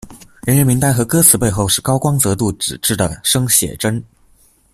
人员名单和歌词背后是高光泽度纸质的生写真。